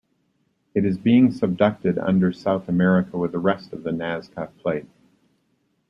It is being subducted under South America with the rest of the Nazca Plate.